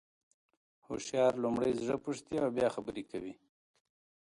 هوښیار لومړی زړه پوښتي او بیا خبري کوي.